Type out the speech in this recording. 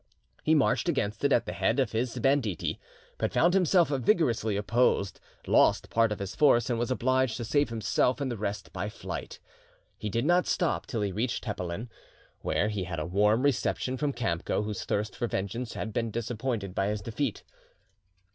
He marched against it at the head of his banditti, but found himself vigorously opposed, lost part of his force, and was obliged to save himself and the rest by flight. He did not stop till he reached Tepelen, where he had a warm reception from Kamco, whose thirst for vengeance had been disappointed by his defeat.